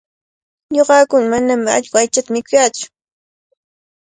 Ñuqakunaqa manami allqu aychata mikuutsu.